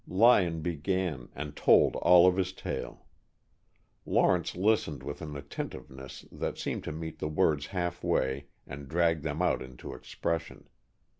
Lyon began, and told all of his tale. Lawrence listened with an attentiveness that seemed to meet the words half way and drag them out into expression.